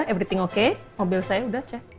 everything oke mobil saya sudah cek